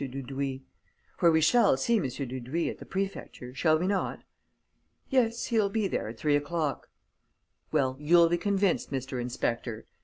Dudouis. For we shall see M. Dudouis at the prefecture, shall we not?" "Yes, he'll be there at three o'clock." "Well, you'll be convinced, Mr. Inspector!